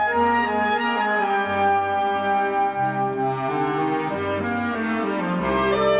โปรดติดตามต่อไป